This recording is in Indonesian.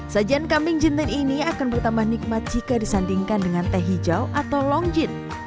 sajian kambing jinten ini akan bertambah nikmat jika disandingkan dengan teh hijau atau long jin